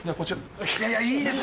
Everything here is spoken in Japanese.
いやいやいいです！